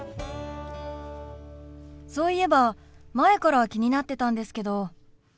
そういえば前から気になってたんですけど。